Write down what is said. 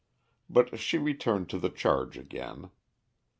But she returned to the charge again.